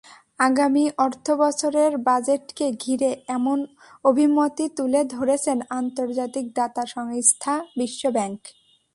আগামী অর্থবছরের বাজেটকে ঘিরে এমন অভিমতই তুলে ধরেছেন আন্তর্জাতিক দাতা সংস্থা বিশ্বব্যাংক।